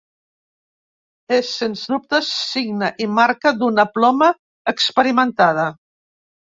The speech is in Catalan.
És sens dubte signe i marca d'una ploma experimentada.